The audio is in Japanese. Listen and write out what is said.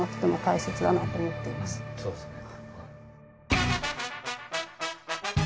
そうですね。